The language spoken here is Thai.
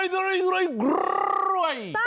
ตะทุ